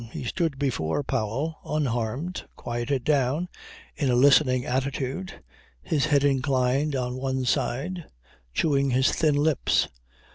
He stood before Powell unharmed, quieted down, in a listening attitude, his head inclined on one side, chewing his thin lips.